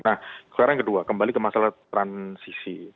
sekarang kedua kembali ke masalah transisi